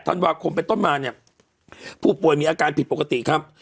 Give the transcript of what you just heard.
ธันวาคมไปต้นมาเนี่ยผู้ป่วยมีอาการผิดปกติครับ